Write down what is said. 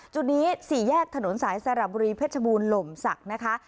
จุดนี้สี่แยกถนนสายสระบุรีเพชรบูรณหล่มศักดิ์นะคะ